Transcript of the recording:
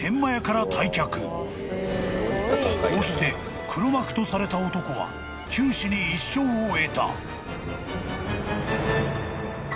［こうして黒幕とされた男は九死に一生を得た］